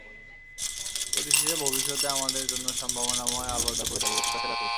পরিশেষে ভবিষ্যতে আমাদের জন্য সম্ভাবনাময় আলোর দ্বার খুলে যাবে—এ প্রত্যাশাই ব্যক্ত করছি।